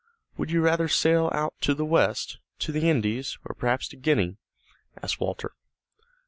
"Would you rather sail out to the west, to the Indies, or perhaps to Guiana?" asked Walter.